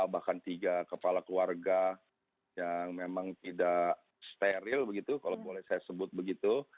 bahkan tiga kepala keluarga yang memang tidak steril begitu kalau boleh saya sebut begitu